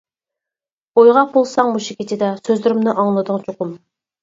ئويغاق بولساڭ مۇشۇ كېچىدە، سۆزلىرىمنى ئاڭلىدىڭ چوقۇم.